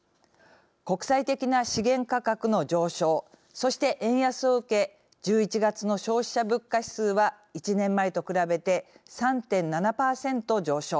国際的な資源価格の上昇そして、円安を受け１１月の消費者物価指数は１年前と比べて３．７％上昇。